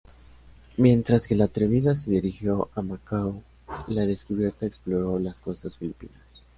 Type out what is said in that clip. Mientras que la "Atrevida" se dirigió a Macao, la "Descubierta" exploró las costas filipinas.